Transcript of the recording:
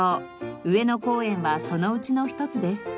上野公園はそのうちの一つです。